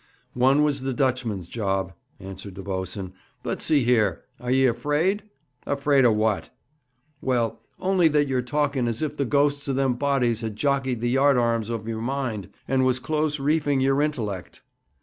'One was the Dutchman's job,' answered the boatswain. 'But see here! Are ye afraid?' 'Afraid o' what?' 'Well, only that you're talking as if the ghosts of them bodies had jockeyed the yard arms of your mind, and was close reefing your intellect.'